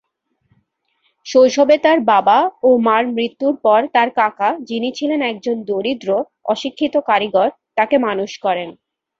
শৈশবে তার বাবা ও মার মৃত্যুর পর তার কাকা, যিনি ছিলেন একজন দরিদ্র, অশিক্ষিত কারিগর, তাকে মানুষ করেন।